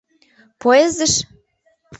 Поездыш?